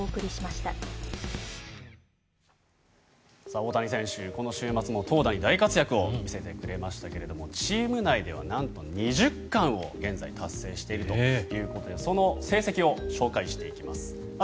大谷選手、この週末も投打に大活躍を見せてくれましたがチーム内ではなんと２０冠を現在達成しているということでその成績を紹介していきます。